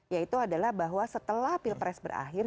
yaitu adalah bahwa setelah pilpres berakhir